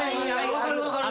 分かる分かる。